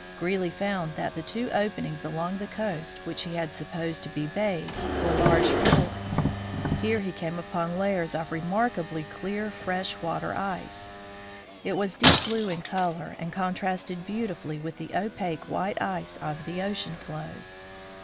Greely found that two openings along the coast, which he had sup posed to be bays, were large fiords. Here he came upon layers of remarkably clear fresh water ice. It was deep blue in color and contrasted beautifully with the opaque white ice of the ocean floes.